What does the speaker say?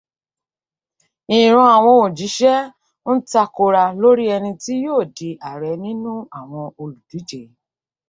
Ìran àwọn òjíṣẹ́ ń takora lórí ẹni tí yóò di ààrẹ nínú àwọn olùdíje.